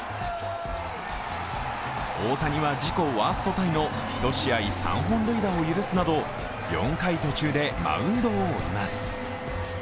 大谷は自己ワーストタイの１試合３本塁打を許すなど４回途中でマウンドを降ります。